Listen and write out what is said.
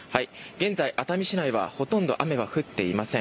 現在、熱海市内はほとんど雨は降っていません。